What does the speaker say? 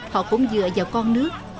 họ cũng dựa vào con nước